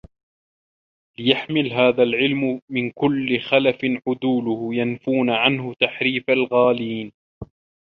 لِيَحْمِل هَذَا الْعِلْمَ مِنْ كُلِّ خَلَفٍ عُدُولُهُ يَنْفُونَ عَنْهُ تَحْرِيفَ الْغَالِينَ